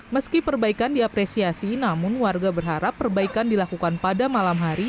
meski perbaikan diapresiasi namun warga berharap perbaikan dilakukan pada malam hari